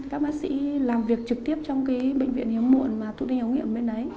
các bác sĩ làm việc trực tiếp trong cái bệnh viện hiếm muộn mà thủ thi hỗ nghiệm bên đấy